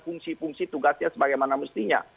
fungsi fungsi tugasnya sebagaimana mestinya